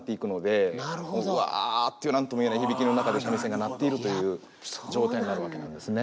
ぶわって何とも言えない響きの中で三味線が鳴っているという状態になるわけなんですね。